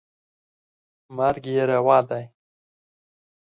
مرګ یې روا دی.